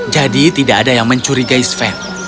jadi tidak ada yang mencurigai sven